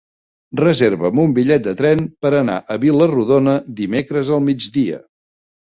Reserva'm un bitllet de tren per anar a Vila-rodona dimecres al migdia.